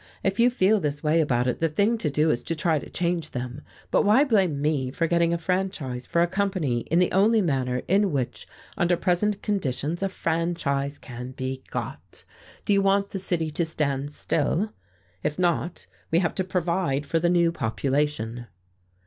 If you feel this way about it, the thing to do is to try to change them. But why blame me for getting a franchise for a company in the only manner in which, under present conditions, a franchise can be got? Do you want the city to stand still? If not, we have to provide for the new population."